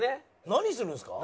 何するんですか？